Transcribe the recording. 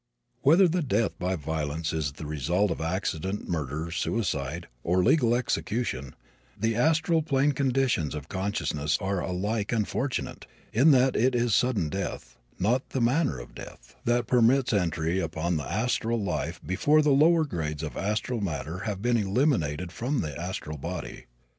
Whether the death by violence is the result of accident, murder, suicide or legal execution, the astral plane conditions of consciousness are alike unfortunate, in that it is sudden death, not the manner of death, that permits entry upon the astral life before the lower grades of astral matter have been eliminated from the astral body.